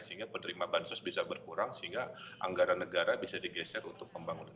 sehingga penerima bansos bisa berkurang sehingga anggaran negara bisa digeser untuk pembangunan